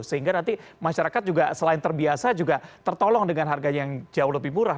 sehingga nanti masyarakat juga selain terbiasa juga tertolong dengan harga yang jauh lebih murah